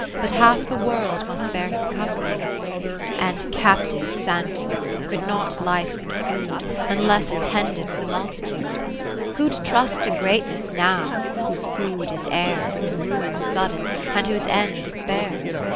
But half the World must bear him company; And captiv'd Samson could not life conclude. Unless attended with a multitude. Who'd trust to greatness now, whose food is air. Whose ruin sudden, and whose end despair